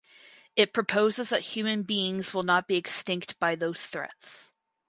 It proposes that human beings will not be extinct by those threats.